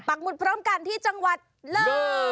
หมุดพร้อมกันที่จังหวัดเลย